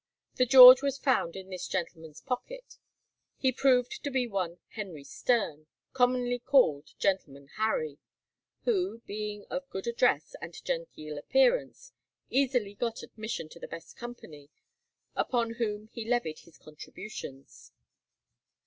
The "George" was found in this gentleman's pocket. He proved to be one Henry Sterne, commonly called Gentleman Harry, who, being of good address and genteel appearance, easily got admission to the best company, upon whom he levied his contributions.